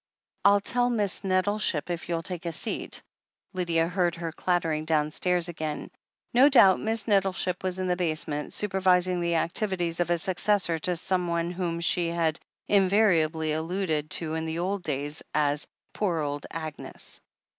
"I'll tell Miss Nettleship, if you'll take a seat." Lydia heard her clattering downstairs again. No doubt Miss Nettleship was in the basement, supervising the activities of a successor to someone whom she had « invariably alluded to in the old days as "poor old Agnes."